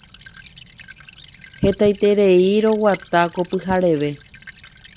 Hetaiterei roguata ko pyhareve.